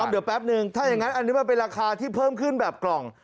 เดี๋ยวแป๊บนึงถ้าอย่างนั้นอันนี้มันเป็นราคาที่เพิ่มขึ้นแบบกล่อง